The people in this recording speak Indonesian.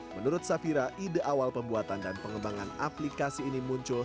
menurut safira ide awal pembuatan dan pengembangan aplikasi ini muncul